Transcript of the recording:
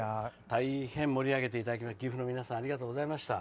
大変盛り上げてくださって岐阜の皆さんありがとうございました。